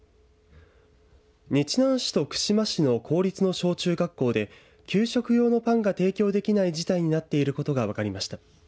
日南市と串間市の公立の小中学校で給食用のパンが提供できない事態になっていることが分かりました。